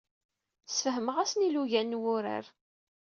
Ssfehmeɣ-asen ilugan n wurar.